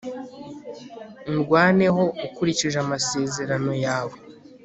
undwaneho ukurikije amasezerano yawe